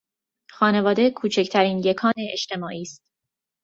خانواده کوچکترین یکان اجتماعی است.